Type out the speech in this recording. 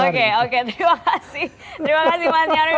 terima kasih terima kasih mas nyari